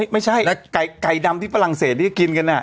ไม่ใช่แต่ไก่ดำที่ฝรั่งเศสที่กินกัน